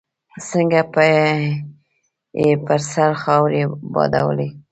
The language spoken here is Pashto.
څنګه يې پر سر خاورې بادولې.